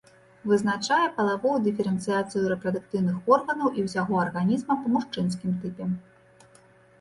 Вызначае палавую дыферэнцыяцыю рэпрадуктыўных органаў і ўсяго арганізма па мужчынскім тыпе.